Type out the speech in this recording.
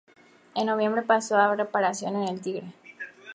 En noviembre pasó a reparaciones en el Tigre.